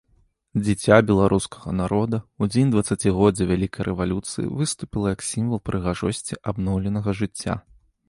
Дзіця беларускага народа ў дзень дваццацігоддзя вялікай рэвалюцыі выступіла як сімвал прыгажосці абноўленага жыцця.